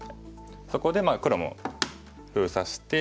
そこで黒も封鎖して。